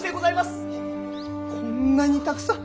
こんなにたくさん！